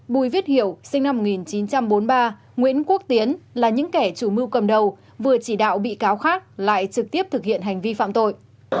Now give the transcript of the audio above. bùi viết hiểu sinh năm một nghìn chín trăm bốn mươi ba nguyễn quốc tiến là những kẻ chủ mưu cầm đầu vừa chỉ đạo bị cáo khác lại trực tiếp thực hiện hành vi phạm tội